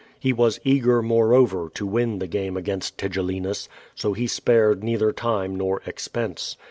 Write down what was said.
He was eager, moreover, to win the game against Tigellinus; 80 he sjKired neither time nor ex]>ense.